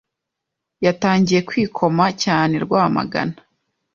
yatangiye kwikoma cyane Rwamagana